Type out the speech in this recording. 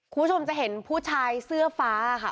คุณผู้ชมจะเห็นผู้ชายเสื้อฟ้าค่ะ